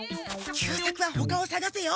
久作はほかをさがせよ！